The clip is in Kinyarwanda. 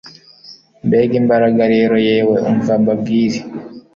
Mbega imbaraga rero yewe umva mbabwire